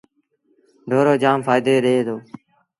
ڍورو جآم ڦآئيدو ڏي دو۔